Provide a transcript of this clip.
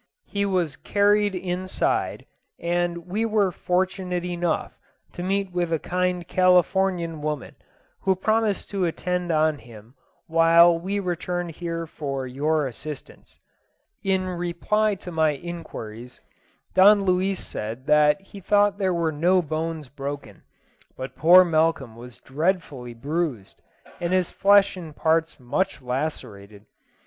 He was carried inside, and we were fortunate enough to meet with a kind Californian woman, who promised to attend on him while we returned here for your assistance." In reply to my inquiries, Don Luis said that he thought there were no bones broken, but poor Malcolm was dreadfully bruised, and his flesh in parts much lacerated.